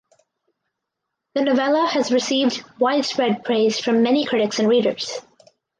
The novella has received widespread praise from many critics and readers.